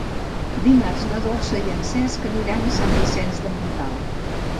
Dimarts na Dolça i en Cesc aniran a Sant Vicenç de Montalt.